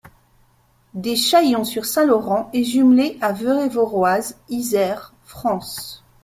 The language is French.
Deschaillons-sur-Saint-Laurent est jumelé avec Veurey-Voroize, Isère, France.